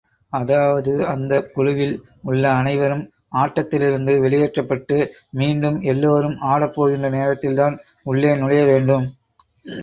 அதாவது, அந்தக் குழுவில் உள்ள அனைவரும் ஆட்டத்திலிருந்து வெளியேற்றப்பட்டு, மீண்டும் எல்லோரும் ஆடப்போகின்ற நேரத்தில்தான் உள்ளே நுழைய வேண்டும்.